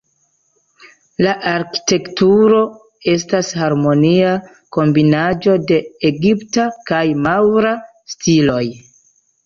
La arkitekturo estas harmonia kombinaĵo de egipta kaj maŭra stiloj.